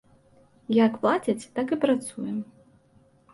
Як плацяць, так і працуем.